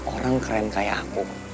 orang keren kayak aku